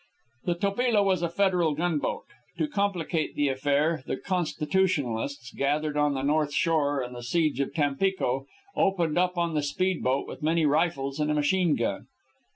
The Topila was a federal gunboat. To complicate the affair, the constitutionalists, gathered on the north shore in the siege of Tampico, opened up on the speedboat with many rifles and a machine gun.